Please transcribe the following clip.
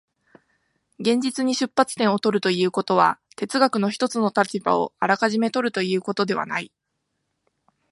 現実に出発点を取るということは、哲学の一つの立場をあらかじめ取るということではない。